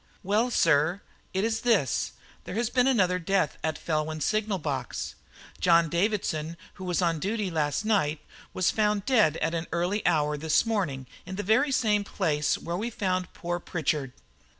"Well, sir, it is this: there has been another death at Felwyn signal box. John Davidson, who was on duty last night, was found dead at an early hour this morning in the very same place where we found poor Pritchard."